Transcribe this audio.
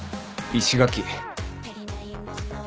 石垣？